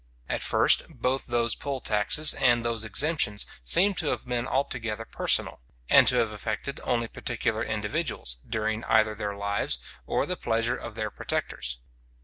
At first, both those poll taxes and those exemptions seem to have been altogether personal, and to have affected only particular individuals, during either their lives, or the pleasure of their protectors.